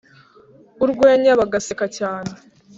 urwenya bagaseka cyane